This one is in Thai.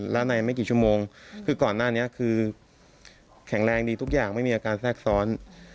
และในไม่กี่ชั่วโมงคือก่อนหน้านี้คือแข็งแรงดีทุกอย่างไม่มีอาการแทรกซ้อน